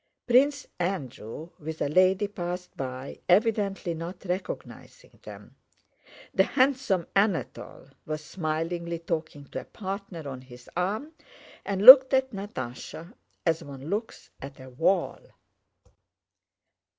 Prince Andrew with a lady passed by, evidently not recognizing them. The handsome Anatole was smilingly talking to a partner on his arm and looked at Natásha as one looks at a wall.